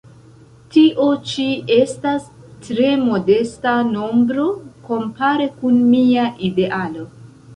Tio ĉi estas tre modesta nombro kompare kun mia idealo.